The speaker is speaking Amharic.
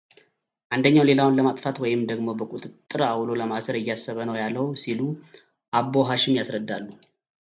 አንደኛው ሌላውን ለማጥፋት ወይም ደግሞ በቁጥጥር አውሎ ለማሰር እያሰበ ነው ያለው ሲሉ አቦ ሓሽም ያስረዳሉ።